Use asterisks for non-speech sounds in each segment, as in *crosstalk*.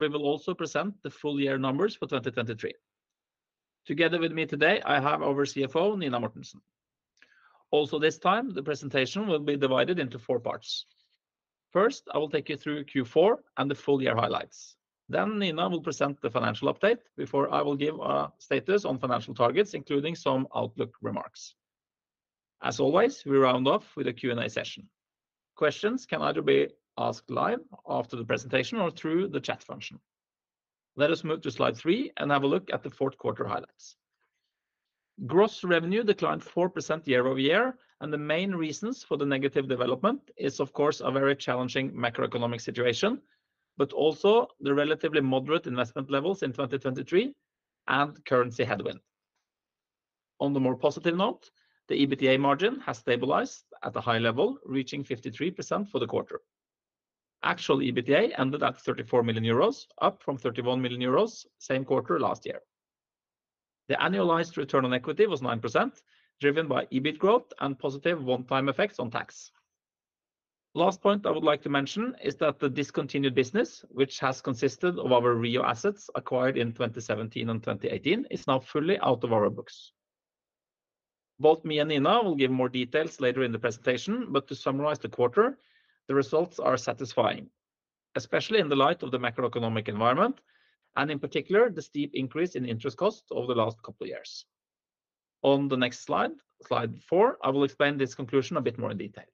We will also present the full year numbers for 2023. Together with me today I have our CFO Nina Mortensen. Also this time the presentation will be divided into four parts. First I will take you through Q4 and the full year highlights. Then Nina will present the financial update before I will give a status on financial targets including some Outlook remarks. As always we round off with a Q&A session. Questions can either be asked live after the presentation or through the chat function. Let us move to slide three and have a look at the fourth quarter highlights. Gross revenue declined 4% year-over-year and the main reasons for the negative development is of course a very challenging macroeconomic situation, but also the relatively moderate investment levels in 2023 and currency headwind. On the more positive note, the EBITDA margin has stabilized at a high level reaching 53% for the quarter. Actual EBITDA ended at 34 million euros, up from 31 million same quarter last year. The annualized return on equity was 9%, driven by EBIT growth and positive one-time effects on tax. Last point I would like to mention is that the discontinued business, which has consisted of our REO assets acquired in 2017 and 2018, is now fully out of our books. Both me and Nina will give more details later in the presentation, but to summarize the quarter, the results are satisfying. Especially in the light of the macroeconomic environment, and in particular the steep increase in interest costs over the last couple of years. On the next slide, slide four, I will explain this conclusion a bit more in detail.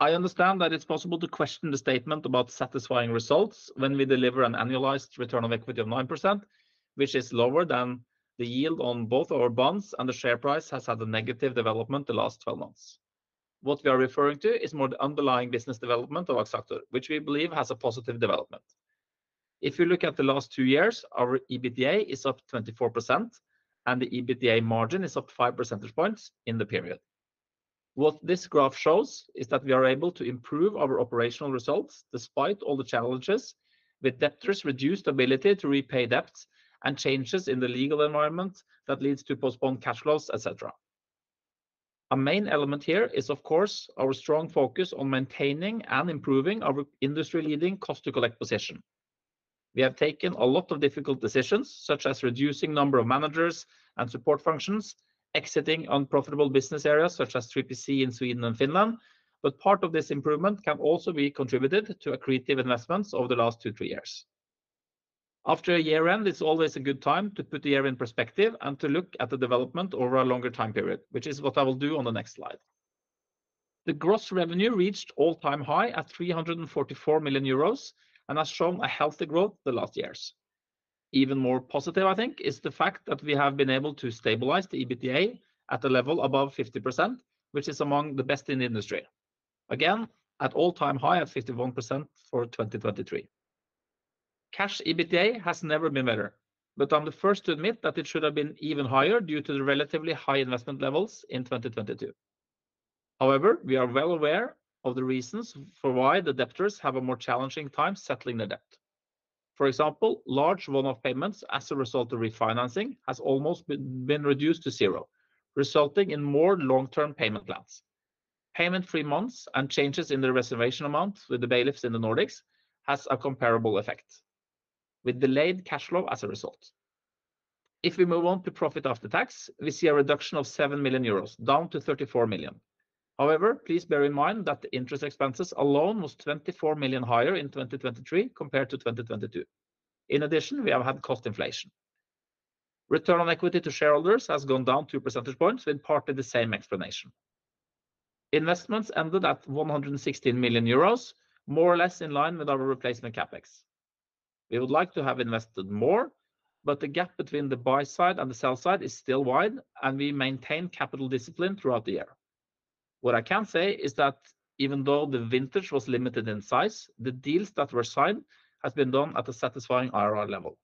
I understand that it's possible to question the statement about satisfying results when we deliver an annualized return on equity of 9%, which is lower than the yield on both our bonds and the share price has had a negative development the last 12 months. What we are referring to is more the underlying business development of Axactor, which we believe has a positive development. If you look at the last two years, our EBITDA is up 24%, and the EBITDA margin is up 5 percentage points in the period. What this graph shows is that we are able to improve our operational results despite all the challenges, with debtors' reduced ability to repay debts and changes in the legal environment that leads to postponed cash flows, etc. A main element here is of course our strong focus on maintaining and improving our industry-leading cost-to-collect position. We have taken a lot of difficult decisions such as reducing the number of managers and support functions, exiting unprofitable business areas such as 3PC in Sweden and Finland, but part of this improvement can also be contributed to accretive investments over the last two, three years. After a year-end, it's always a good time to put the year in perspective and to look at the development over a longer time period, which is what I will do on the next slide. The gross revenue reached all-time high at 344 million euros and has shown a healthy growth the last years. Even more positive, I think, is the fact that we have been able to stabilize the EBITDA at a level above 50%, which is among the best in the industry. Again, at all-time high at 51% for 2023. Cash EBITDA has never been better, but I'm the first to admit that it should have been even higher due to the relatively high investment levels in 2022. However, we are well aware of the reasons for why the debtors have a more challenging time settling their debt. For example, large one-off payments as a result of refinancing have almost been reduced to zero, resulting in more long-term payment plans. Payment-free months and changes in their reservation amount with the bailiffs in the Nordics have a comparable effect. With delayed cash flow as a result. If we move on to profit after tax, we see a reduction of 7 million euros, down to 34 million. However, please bear in mind that the interest expenses alone were 24 million higher in 2023 compared to 2022. In addition, we have had cost inflation. Return on equity to shareholders has gone down two percentage points with partly the same explanation. Investments ended at 116 million euros, more or less in line with our replacement capex. We would like to have invested more, but the gap between the buy side and the sell side is still wide, and we maintain capital discipline throughout the year. What I can say is that even though the vintage was limited in size, the deals that were signed have been done at a satisfying IRR level.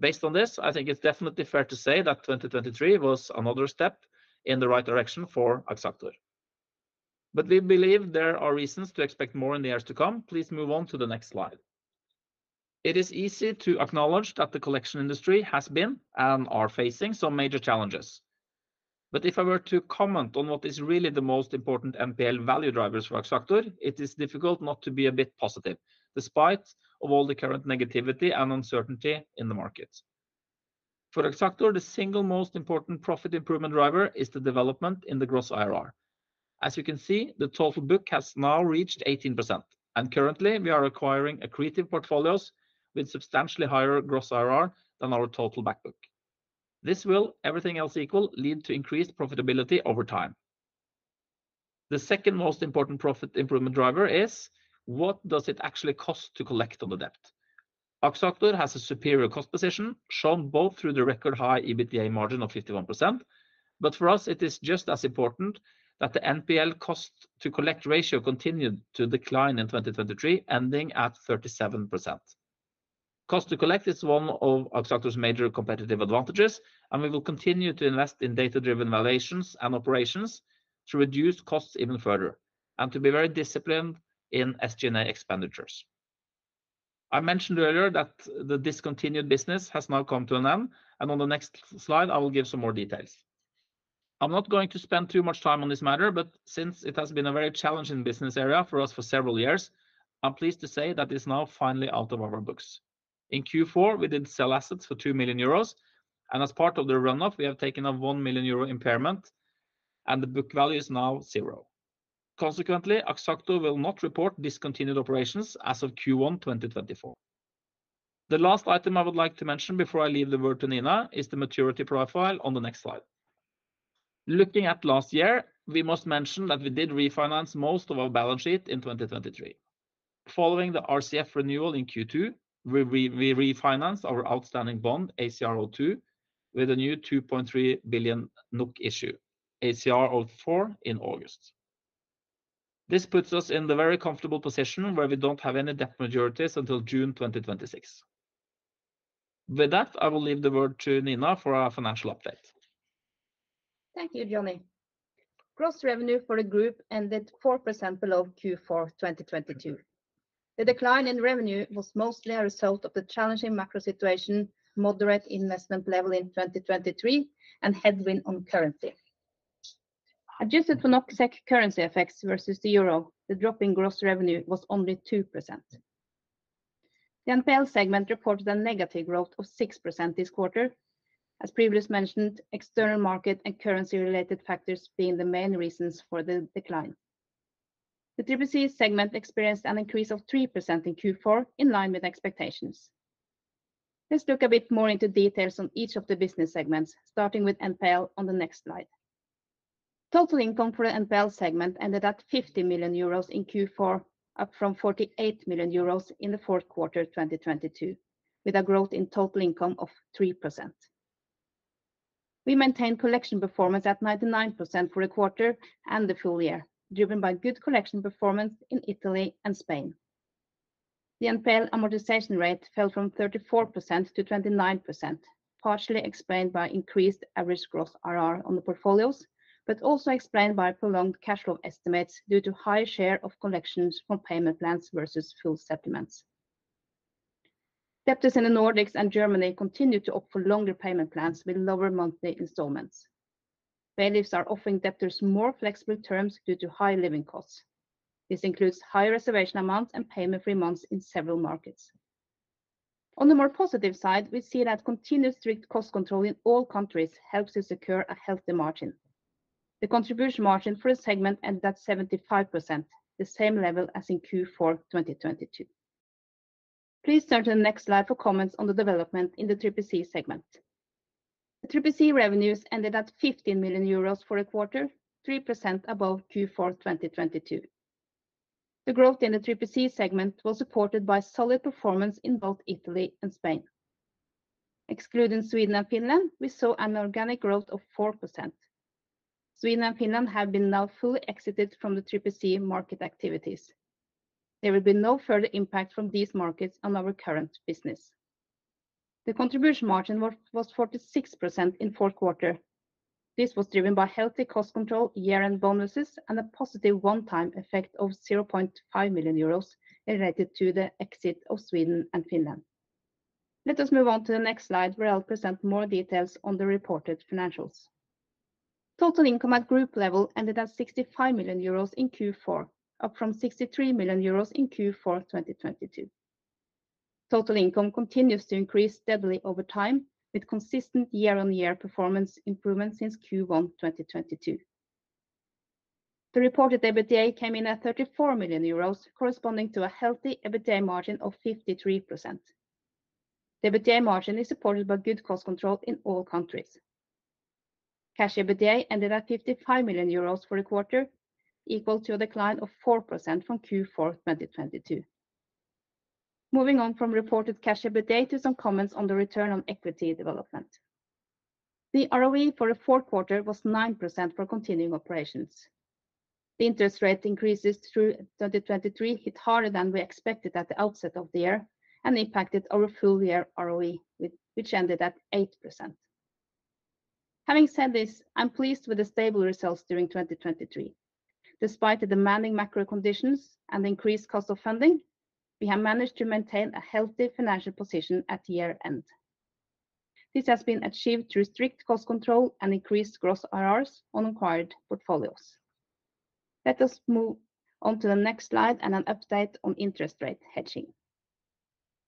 Based on this, I think it's definitely fair to say that 2023 was another step in the right direction for Axactor. But we believe there are reasons to expect more in the years to come. Please move on to the next slide. It is easy to acknowledge that the collection industry has been and are facing some major challenges. But if I were to comment on what is really the most important NPL value drivers for Axactor, it is difficult not to be a bit positive, despite all the current negativity and uncertainty in the markets. For Axactor, the single most important profit improvement driver is the development in the Gross IRR. As you can see, the total book has now reached 18%, and currently we are acquiring accretive portfolios with substantially higher Gross IRR than our total backbook. This will, everything else equal, lead to increased profitability over time. The second most important profit improvement driver is: what does it actually cost to collect on the debt? Axactor has a superior cost position, shown both through the record high EBITDA margin of 51%, but for us it is just as important that the NPL cost-to-collect ratio continued to decline in 2023, ending at 37%. Cost-to-collect is one of Axactor's major competitive advantages, and we will continue to invest in data-driven valuations and operations to reduce costs even further, and to be very disciplined in SG&A expenditures. I mentioned earlier that the discontinued business has now come to an end, and on the next slide I will give some more details. I'm not going to spend too much time on this matter, but since it has been a very challenging business area for us for several years, I'm pleased to say that it's now finally out of our books. In Q4 we did sell assets for 2 million euros, and as part of the run-off we have taken a 1 million euro impairment, and the book value is now zero. Consequently, Axactor will not report discontinued operations as of Q1 2024. The last item I would like to mention before I leave the word to Nina is the maturity profile on the next slide. Looking at last year, we must mention that we did refinance most of our balance sheet in 2023. Following the RCF renewal in Q2, we refinanced our outstanding bond ACR02 with a new 2.3 billion NOK issue, ACR04 in August. This puts us in the very comfortable position where we don't have any debt maturities until June 2026. With that, I will leave the word to Nina for a financial update. Thank you, Johnny. Gross revenue for the group ended 4% below Q4 2022. The decline in revenue was mostly a result of the challenging macro situation, moderate investment level in 2023, and headwind on currency. Adjusted for NOK/SEK currency effects versus the euro, the drop in gross revenue was only 2%. The NPL segment reported a negative growth of 6% this quarter, as previously mentioned, external market and currency-related factors being the main reasons for the decline. The 3PC segment experienced an increase of 3% in Q4 in line with expectations. Let's look a bit more into details on each of the business segments, starting with NPL on the next slide. Total income for the NPL segment ended at 50 million euros in Q4, up from 48 million in the fourth quarter 2022, with a growth in total income of 3%. We maintained collection performance at 99% for the quarter and the full year, driven by good collection performance in Italy and Spain. The NPL amortization rate fell from 34% to 29%, partially explained by increased average gross IRR on the portfolios, but also explained by prolonged cash flow estimates due to higher share of collections from payment plans versus full settlements. Debtors in the Nordics and Germany continue to opt for longer payment plans with lower monthly installments. Bailiffs are offering debtors more flexible terms due to higher living costs. This includes higher reservation amounts and payment-free months in several markets. On the more positive side, we see that continued strict cost control in all countries helps to secure a healthy margin. The contribution margin for the segment ended at 75%, the same level as in Q4 2022. Please turn to the next slide for comments on the development in the 3PC segment. The 3PC revenues ended at 15 million euros for a quarter, 3% above Q4 2022. The growth in the 3PC segment was supported by solid performance in both Italy and Spain. Excluding Sweden and Finland, we saw an organic growth of 4%. Sweden and Finland have been now fully exited from the 3PC market activities. There will be no further impact from these markets on our current business. The contribution margin was 46% in fourth quarter. This was driven by healthy cost control, year-end bonuses, and a positive one-time effect of 0.5 million euros related to the exit of Sweden and Finland. Let us move on to the next slide where I'll present more details on the reported financials. Total income at group level ended at 65 million euros in Q4, up from 63 million euros in Q4 2022. Total income continues to increase steadily over time with consistent year-on-year performance improvements since Q1 2022. The reported EBITDA came in at 34 million euros, corresponding to a healthy EBITDA margin of 53%. The EBITDA margin is supported by good cost control in all countries. Cash EBITDA ended at 55 million euros for a quarter, equal to a decline of 4% from Q4 2022. Moving on from reported cash EBITDA to some comments on the return on equity development. The ROE for the fourth quarter was 9% for continuing operations. The interest rate increases through 2023 hit harder than we expected at the outset of the year and impacted our full-year ROE, which ended at 8%. Having said this, I'm pleased with the stable results during 2023. Despite the demanding macro conditions and increased cost of funding, we have managed to maintain a healthy financial position at year-end. This has been achieved through strict cost control and increased gross IRRs on acquired portfolios. Let us move on to the next slide and an update on interest rate hedging.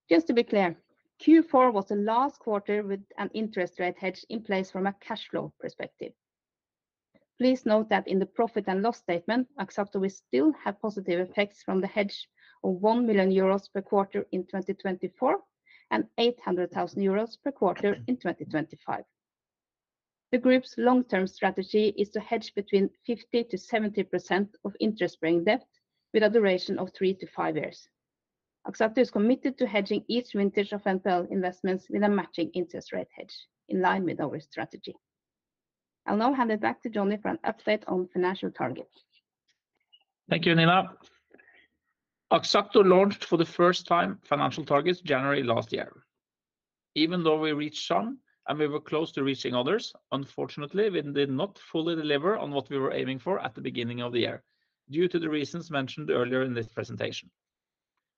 Just to be clear, Q4 was the last quarter with an interest rate hedge in place from a cash flow perspective. Please note that in the profit and loss statement, Axactor will still have positive effects from the hedge of 1 million euros per quarter in 2024 and 800,000 euros per quarter in 2025. The group's long-term strategy is to hedge between 50%-70% of interest-bearing debt with a duration of three to five years. Axactor is committed to hedging each vintage of NPL investments with a matching interest rate hedge, in line with our strategy. I'll now hand it back to Johnny for an update on financial targets. Thank you, Nina. Axactor launched for the first time financial targets January last year. Even though we reached some and we were close to reaching others, unfortunately we did not fully deliver on what we were aiming for at the beginning of the year, due to the reasons mentioned earlier in this presentation.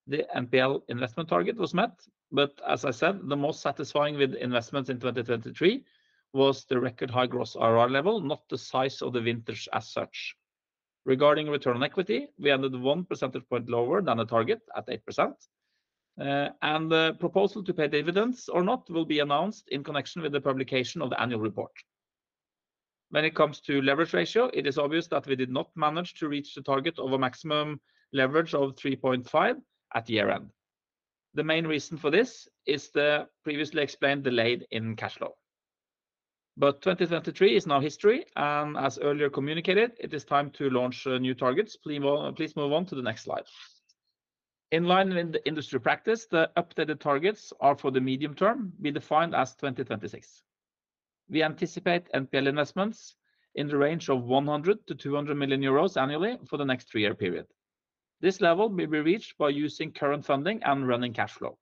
The NPL investment target was met, but as I said, the most satisfying with investments in 2023 was the record high gross IRR level, not the size of the vintage as such. Regarding return on equity, we ended 1 percentage point lower than the target at 8%. The proposal to pay dividends or not will be announced in connection with the publication of the annual report. When it comes to leverage ratio, it is obvious that we did not manage to reach the target of a maximum leverage of 3.5 at year-end. The main reason for this is the previously explained delay in cash flow. But 2023 is now history, and as earlier communicated, it is time to launch new targets. Please move on to the next slide. In line with the industry practice, the updated targets are for the medium term, be defined as 2026. We anticipate NPL investments in the range of 100 million-200 million euros annually for the next three-year period. This level will be reached by using current funding and running cash flow.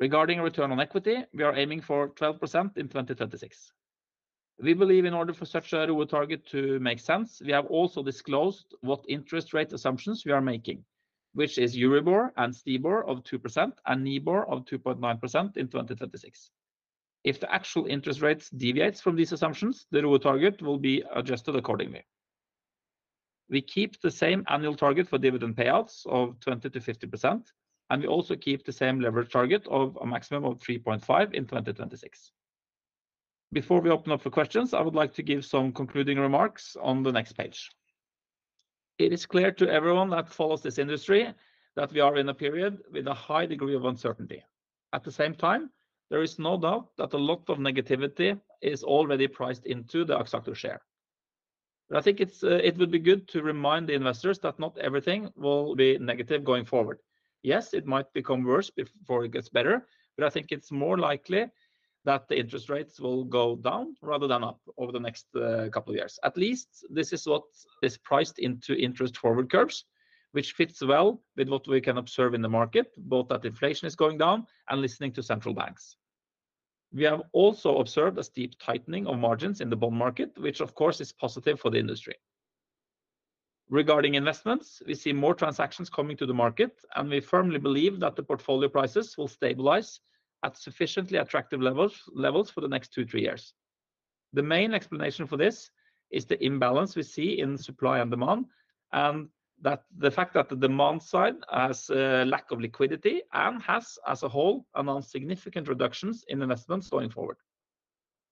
Regarding return on equity, we are aiming for 12% in 2026. We believe in order for such a ROE target to make sense, we have also disclosed what interest rate assumptions we are making, which is EURIBOR and STIBOR of 2% and NIBOR of 2.9% in 2026. If the actual interest rate deviates from these assumptions, the ROE target will be adjusted accordingly. We keep the same annual target for dividend payouts of 20%-50%, and we also keep the same leverage target of a maximum of 3.5% in 2026. Before we open up for questions, I would like to give some concluding remarks on the next page. It is clear to everyone that follows this industry that we are in a period with a high degree of uncertainty. At the same time, there is no doubt that a lot of negativity is already priced into the Axactor share. But I think it would be good to remind the investors that not everything will be negative going forward. Yes, it might become worse before it gets better, but I think it's more likely that the interest rates will go down rather than up over the next couple of years. At least this is what is priced into interest forward curves, which fits well with what we can observe in the market, both that inflation is going down and listening to central banks. We have also observed a steep tightening of margins in the bond market, which of course is positive for the industry. Regarding investments, we see more transactions coming to the market, and we firmly believe that the portfolio prices will stabilize at sufficiently attractive levels for the next two, three years. The main explanation for this is the imbalance we see in supply and demand, and the fact that the demand side has a lack of liquidity and has, as a whole, announced significant reductions in investments going forward.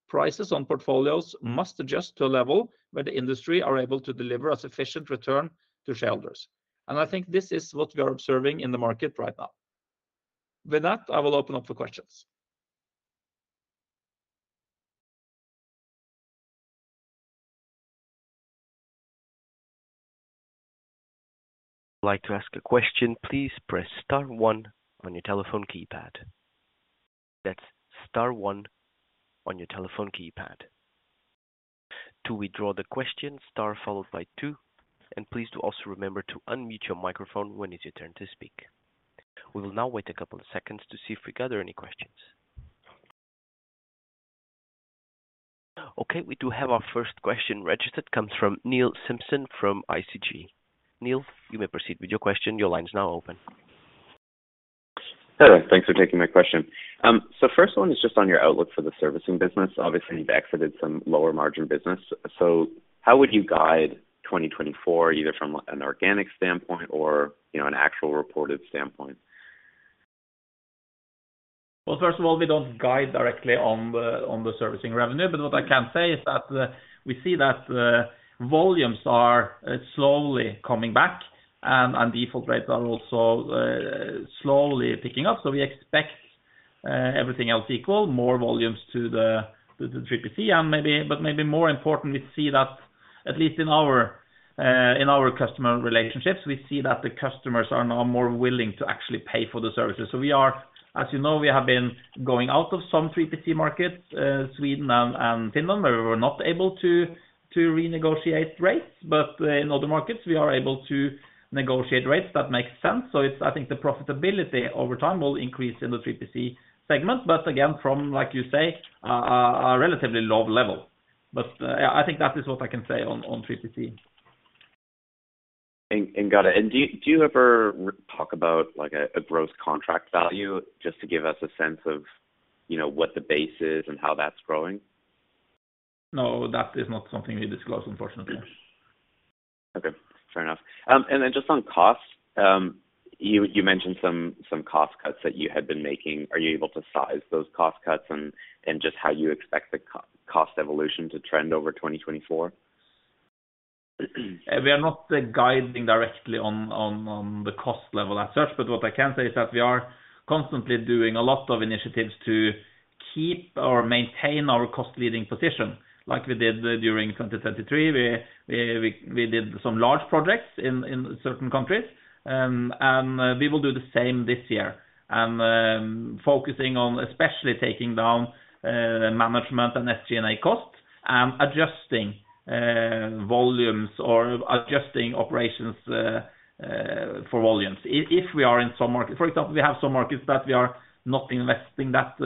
Prices on portfolios must adjust to a level where the industry is able to deliver a sufficient return to shareholders.I think this is what we are observing in the market right now. With that, I will open up for questions. I'd like to ask a question. Please press star one on your telephone keypad. That's star one on your telephone keypad. To withdraw the question, star followed by two, and please do also remember to unmute your microphone when it's your turn to speak. We will now wait a couple of seconds to see if we gather any questions. Okay, we do have our first question registered. It comes from Neil Simpson from ICG. Neil, you may proceed with your question. Your line is now open. Hello. Thanks for taking my question. So first one is just on your outlook for the servicing business. Obviously, you've exited some lower-margin business. So how would you guide 2024, either from an organic standpoint or an actual reported standpoint? Well, first of all, we don't guide directly on the servicing revenue, but what I can say is that we see that volumes are slowly coming back, and default rates are also slowly picking up. So we expect everything else equal, more volumes to the 3PC, and maybe, but maybe more important, we see that at least in our customer relationships, we see that the customers are now more willing to actually pay for the services. So we are, as you know, we have been going out of some 3PC markets, Sweden and Finland, where we were not able to renegotiate rates. But in other markets, we are able to negotiate rates. That makes sense. So I think the profitability over time will increase in the 3PC segment, but again, from, like you say, a relatively low level. But yeah, I think that is what I can say on 3PC. Got it. And do you ever talk about a gross contract value just to give us a sense of what the base is and how that's growing? No, that is not something we disclose, unfortunately. Okay. Fair enough. And then just on costs, you mentioned some cost cuts that you had been making. Are you able to size those cost cuts and just how you expect the cost evolution to trend over 2024? We are not guiding directly on the cost level as such, but what I can say is that we are constantly doing a lot of initiatives to keep or maintain our cost-leading position, like we did during 2023. We did some large projects in certain countries, and we will do the same this year, and focusing on especially taking down management and SG&A costs and adjusting volumes or adjusting operations for volumes. If we are in some markets, for example, we have some markets that we are not investing that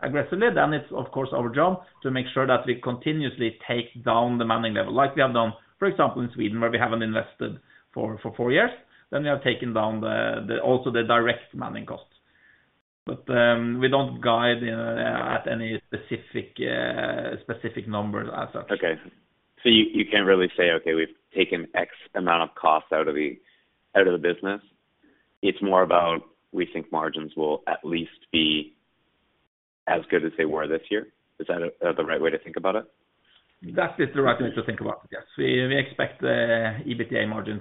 aggressively, then it's, of course, our job to make sure that we continuously take down the manning level, like we have done, for example, in Sweden, where we haven't invested for four years. Then we have taken down also the direct manning costs. But we don't guide at any specific numbers as such. Okay. So you can't really say, "Okay, we've taken X amount of costs out of the business." It's more about, "We think margins will at least be as good as they were this year." Is that the right way to think about it? That is the right way to think about it, yes. We expect the EBITDA margin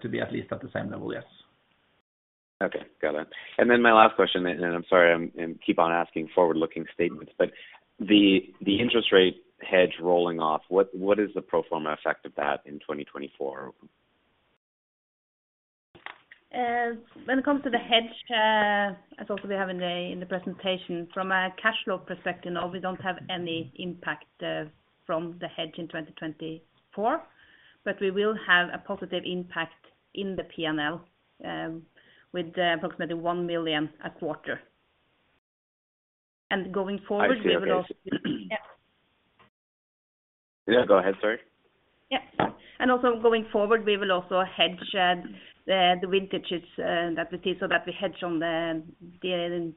to be at least at the same level, yes. Okay. Got it. And then my last question, and I'm sorry I keep on asking forward-looking statements, but the interest rate hedge rolling off, what is the pro forma effect of that in 2024? When it comes to the hedge, as also we have in the presentation, from a cash flow perspective, no, we don't have any impact from the hedge in 2024. But we will have a positive impact in the P&L with approximately 1 million a quarter. And going forward, we will also. I see. Yeah. Yeah, go ahead, sorry. Yep. Also going forward, we will also hedge the vintages that we see so that we hedge on the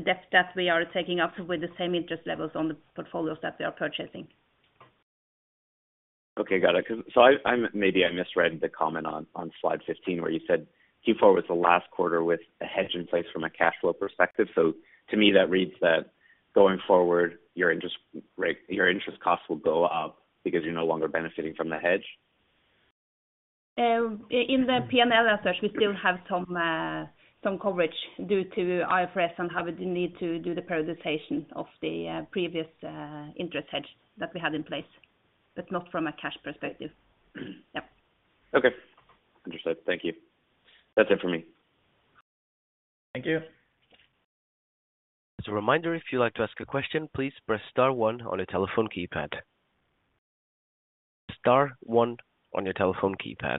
debt that we are taking up with the same interest levels on the portfolios that we are purchasing. Okay, got it. So maybe I misread the comment on slide 15 where you said Q4 was the last quarter with a hedge in place from a cash flow perspective. So to me, that reads that going forward, your interest costs will go up because you're no longer benefiting from the hedge. In the P&L as such, we still have some coverage due to IFRS and have the need to do the prioritization of the previous interest hedge that we had in place, but not from a cash perspective. Yep. Okay. Understood. Thank you. That's it for me. Thank you. As a reminder, if you'd like to ask a question, please press star one on your telephone keypad. Star one on your telephone keypad.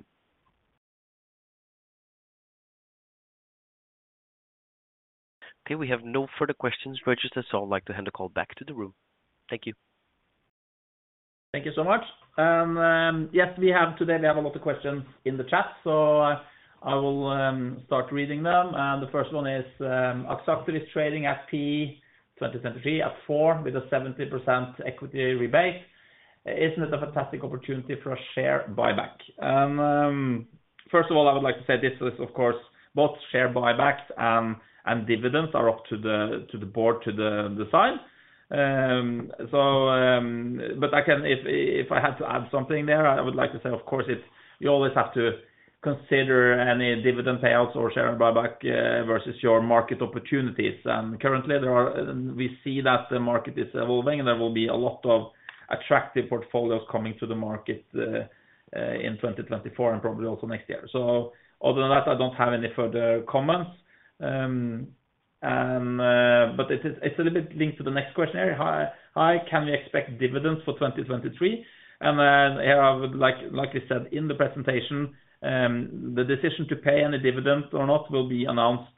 Okay, we have no further questions, Regis, so I'd like to hand the call back to the room. Thank you. Thank you so much. And yes, today we have a lot of questions in the chat, so I will start reading them. And the first one is, "Axactor is trading at *inaudible* 2023 at 4 with a 70% equity rebate. Isn't it a fantastic opportunity for a share buyback?" And first of all, I would like to say this is, of course, both share buybacks and dividends are up to the board to decide. But if I had to add something there, I would like to say, of course, you always have to consider any dividend payouts or share buyback versus your market opportunities. And currently, we see that the market is evolving, and there will be a lot of attractive portfolios coming to the market in 2024 and probably also next year. So other than that, I don't have any further comments. But it's a little bit linked to the next question. "How can we expect dividends for 2023?" And here I would, like we said in the presentation, the decision to pay any dividend or not will be announced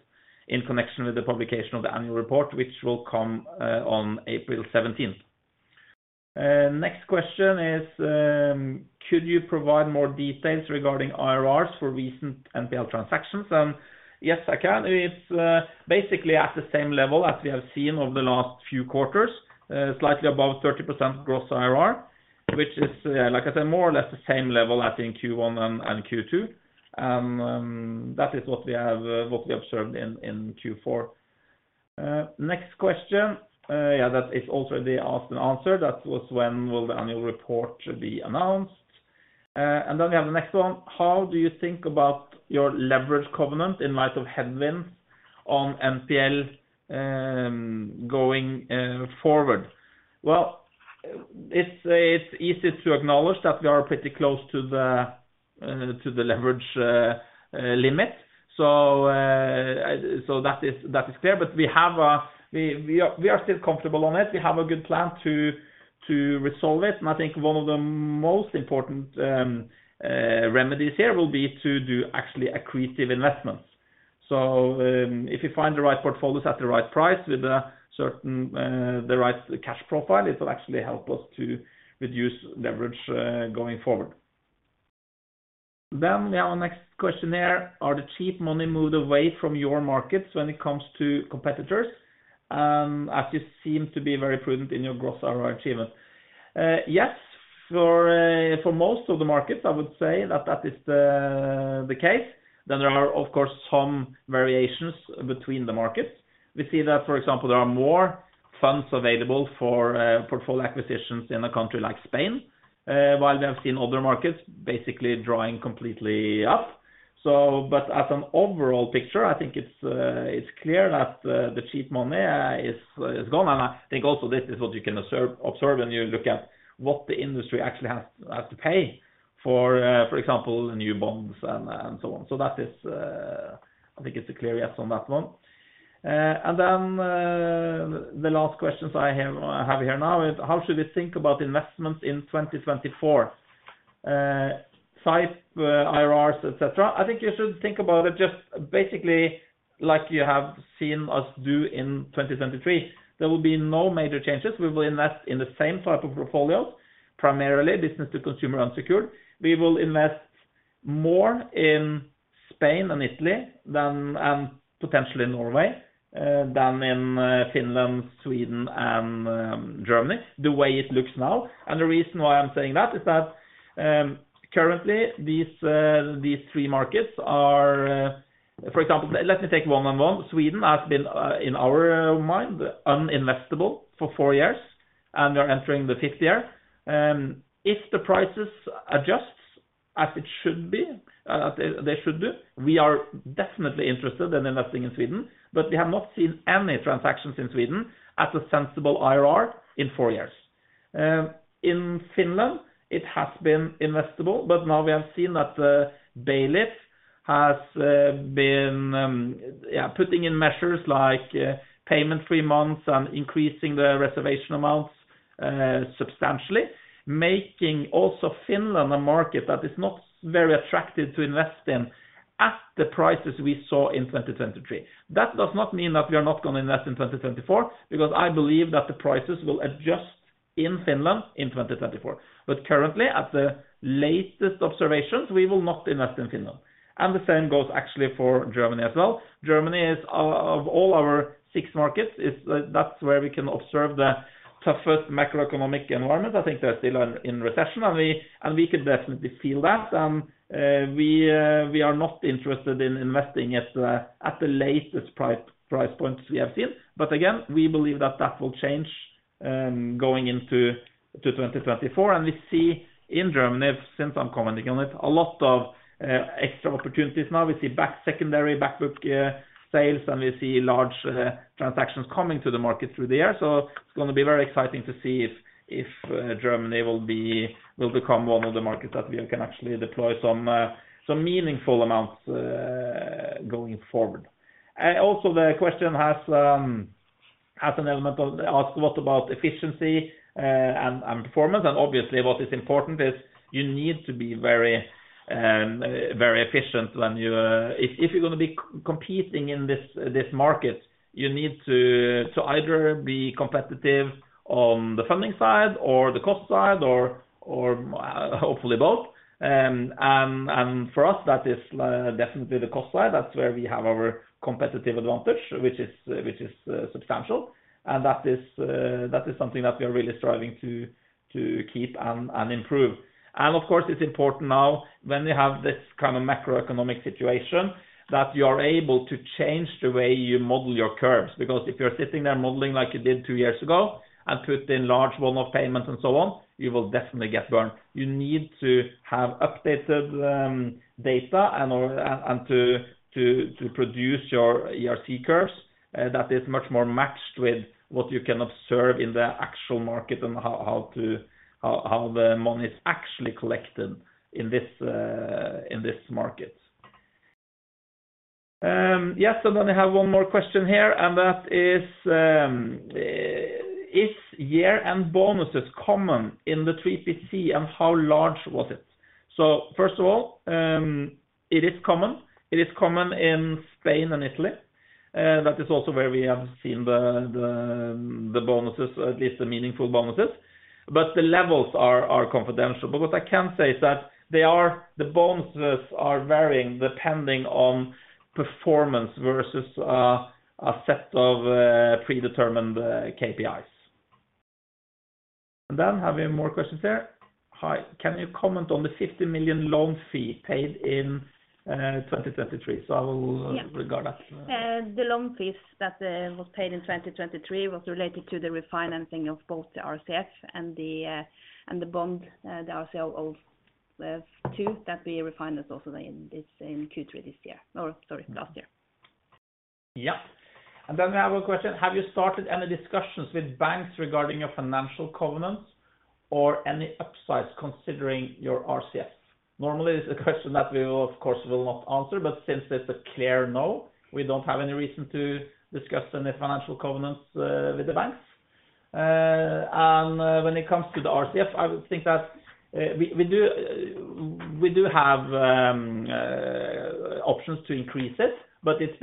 in connection with the publication of the annual report, which will come on April 17th. Next question is, "Could you provide more details regarding IRRs for recent NPL transactions?" And yes, I can. It's basically at the same level as we have seen over the last few quarters, slightly above 30% gross IRR, which is, like I said, more or less the same level as in Q1 and Q2. And that is what we observed in Q4. Next question, yeah, that is also the asked and answered. That was, "When will the annual report be announced?" And then we have the next one. How do you think about your leverage covenant in light of headwinds on NPL going forward?" Well, it's easy to acknowledge that we are pretty close to the leverage limit. So that is clear. But we are still comfortable on it. We have a good plan to resolve it. And I think one of the most important remedies here will be to do actually accretive investments. So if we find the right portfolios at the right price with the right cash profile, it will actually help us to reduce leverage going forward. Then we have a next question there. "Are the cheap money moved away from your markets when it comes to competitors?" As you seem to be very prudent in your gross IRR achievement. Yes, for most of the markets, I would say that that is the case. Then there are, of course, some variations between the markets. We see that, for example, there are more funds available for portfolio acquisitions in a country like Spain, while we have seen other markets basically drying completely up. But as an overall picture, I think it's clear that the cheap money is gone. And I think also this is what you can observe when you look at what the industry actually has to pay for, for example, new bonds and so on. So I think it's a clear yes on that one. And then the last questions I have here now is, "How should we think about investments in 2024?" SIPE, IRRs, etc. I think you should think about it just basically like you have seen us do in 2023. There will be no major changes. We will invest in the same type of portfolios, primarily business-to-consumer unsecured. We will invest more in Spain and Italy and potentially Norway than in Finland, Sweden, and Germany, the way it looks now. The reason why I'm saying that is that currently, these three markets are, for example, let me take one on one. Sweden has been, in our mind, uninvestable for four years, and we are entering the fifth year. If the prices adjust as it should be, as they should do, we are definitely interested in investing in Sweden, but we have not seen any transactions in Sweden at a sensible IRR in four years. In Finland, it has been investable, but now we have seen that Bailiff has been, yeah, putting in measures like payment-free months and increasing the reservation amounts substantially, making also Finland a market that is not very attractive to invest in at the prices we saw in 2023. That does not mean that we are not going to invest in 2024 because I believe that the prices will adjust in Finland in 2024. But currently, at the latest observations, we will not invest in Finland. And the same goes actually for Germany as well. Germany, of all our six markets, is, that's where we can observe the toughest macroeconomic environment. I think they're still in recession, and we could definitely feel that. And we are not interested in investing at the latest price points we have seen. But again, we believe that that will change going into 2024. And we see in Germany, since I'm commenting on it, a lot of extra opportunities now. We see bank secondary backbook sales, and we see large transactions coming to the market through the year. So it's going to be very exciting to see if Germany will become one of the markets that we can actually deploy some meaningful amounts going forward. Also, the question has an element of asking, "What about efficiency and performance?" Obviously, what is important is you need to be very efficient when if you're going to be competing in this market. You need to either be competitive on the funding side or the cost side or hopefully both. For us, that is definitely the cost side. That's where we have our competitive advantage, which is substantial. That is something that we are really striving to keep and improve. Of course, it's important now when you have this kind of macroeconomic situation that you are able to change the way you model your curves because if you're sitting there modeling like you did two years ago and put in large volume of payments and so on, you will definitely get burned. You need to have updated data and to produce your ERC curves that is much more matched with what you can observe in the actual market and how the money is actually collected in this market. Yes, and then I have one more question here, and that is, "Is year-end bonuses common in the 3PC, and how large was it?" So first of all, it is common. It is common in Spain and Italy. That is also where we have seen the bonuses, at least the meaningful bonuses. But the levels are confidential. What I can say is that the bonuses are varying depending on performance versus a set of predetermined KPIs. And then have we more questions here? "Hi, can you comment on the 50 million loan fee paid in 2023?" So I will regard that. The loan fees that were paid in 2023 were related to the refinancing of both the RCF and the bond, the ACR02 that we refinanced also. It's in Q3 this year. Oh, sorry, last year. Yep. And then we have a question, "Have you started any discussions with banks regarding your financial covenants or any upsides considering your RCF?" Normally, it's a question that we, of course, will not answer, but since it's a clear no, we don't have any reason to discuss any financial covenants with the banks. And when it comes to the RCF, I think that we do have options to increase it, but it's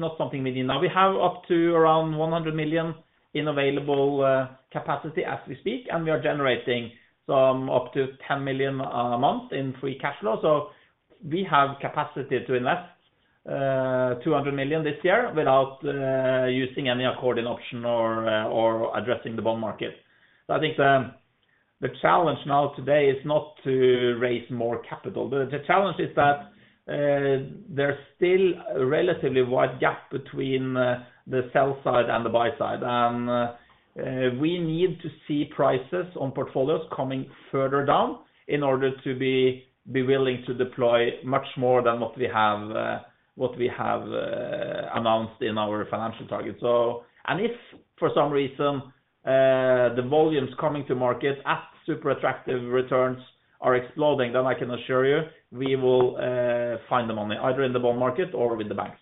not something we. We have up to around 100 million in available capacity as we speak, and we are generating up to 10 million a month in free cash flow. So we have capacity to invest 200 million this year without using any according option or addressing the bond market. So I think the challenge now today is not to raise more capital. The challenge is that there's still a relatively wide gap between the sell side and the buy side. We need to see prices on portfolios coming further down in order to be willing to deploy much more than what we have announced in our financial target. And if for some reason the volumes coming to market at super attractive returns are exploding, then I can assure you we will find the money either in the bond market or with the banks.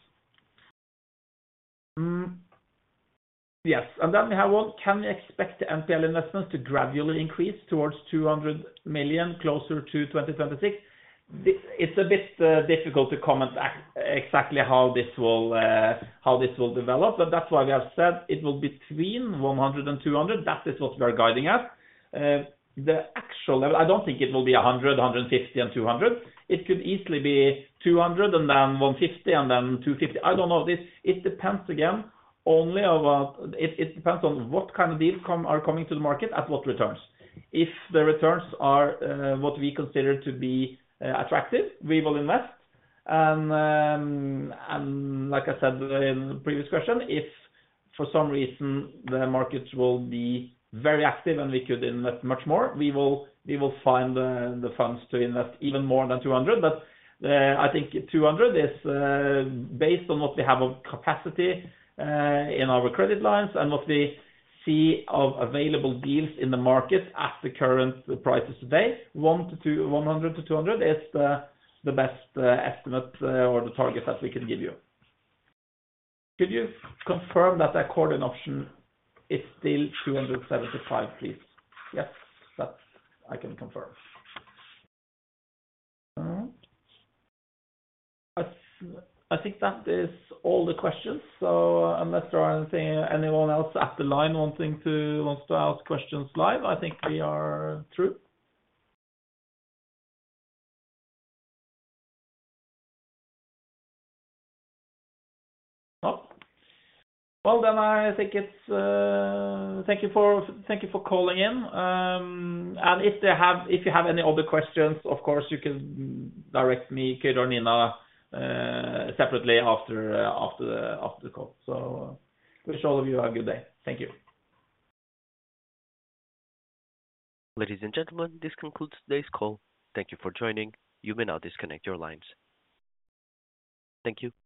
Yes. And then we have one, "Can we expect NPL investments to gradually increase towards 200 million closer to 2026?" It's a bit difficult to comment exactly how this will develop, but that's why we have said it will be between 100 million and 200 million. That is what we are guiding at. The actual level, I don't think it will be 100 million, 150 million, and 200 million. It could easily be 200 and then 150 and then 250. I don't know. It depends again only on what kind of deals are coming to the market at what returns. If the returns are what we consider to be attractive, we will invest. Like I said in the previous question, if for some reason the markets will be very active and we could invest much more, we will find the funds to invest even more than 200. I think 200 is based on what we have of capacity in our credit lines and what we see of available deals in the market at the current prices today. 100-200 is the best estimate or the target that we can give you. Could you confirm that ACR02 option is still 275, please? Yes, I can confirm. I think that is all the questions. Unless there are anyone else at the line wanting to ask questions live, I think we are through. No? Well, then I think it's thank you for calling in. If you have any other questions, of course, you can direct me, Kyrre or Nina, separately after the call. So wish all of you a good day. Thank you. Ladies and gentlemen, this concludes today's call. Thank you for joining. You may now disconnect your lines. Thank you.